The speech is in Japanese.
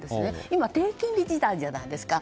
今、低金利時代じゃないですか。